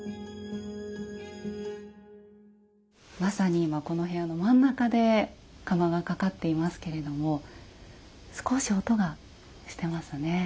まさに今この部屋の真ん中で釜がかかっていますけれども少し音がしてますね。